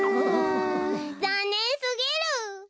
ざんねんすぎる。